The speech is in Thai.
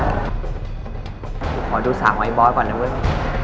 ขอดูสากไอบอสก่อนนะเว้ย